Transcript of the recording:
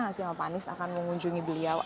nggak sih sama pak anies akan mengunjungi beliau